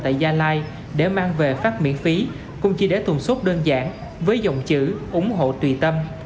tại gia lai để mang về phát miễn phí cũng chỉ để thuần sốt đơn giản với giọng chữ ủng hộ tùy tâm